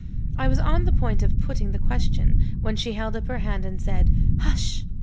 I was on the point of putting the question, when she held up her hand, and said, "Hush!"